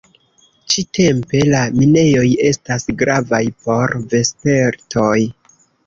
Ĉi-tempe la minejoj estas gravaj por vespertoj.